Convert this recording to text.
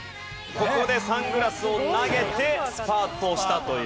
ここでサングラスを投げてスパートしたという。